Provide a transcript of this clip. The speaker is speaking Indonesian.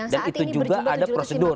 dan itu juga ada prosedur gitu kan